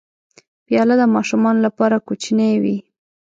پیاله د ماشومانو لپاره کوچنۍ وي.